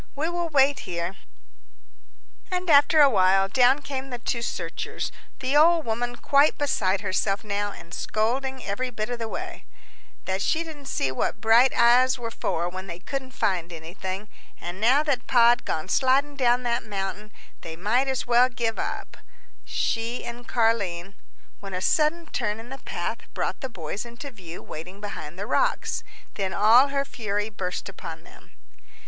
"We will wait here." And after a while, down came the two searchers the old woman quite beside herself now, and scolding every bit of the way, "that she didn't see what bright eyes were for when they couldn't find anything an' now that Pa'd gone sliding down that mountain, they might as well give up, she an' Car'line" when a sudden turn in the path brought the boys into view waiting behind the rocks. Then all her fury burst upon them.